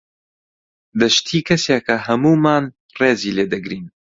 دەشتی کەسێکە هەموومان ڕێزی لێ دەگرین.